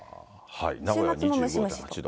名古屋２８度。